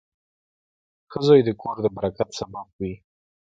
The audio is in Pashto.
• ښه زوی د کور د برکت سبب وي.